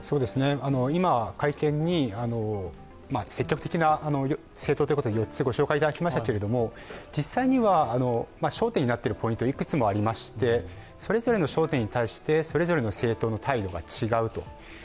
今、改憲に、積極的な政党ということで４つご紹介いただきましたけど実際には焦点になっているポイントはいくつもありまして、それぞれの焦点に対してそれぞれの政党の態度が違う。